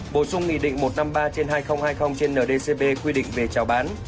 bổ sung nghị định một trăm năm mươi ba trên hai nghìn hai mươi trên ndcp quy định về trào bán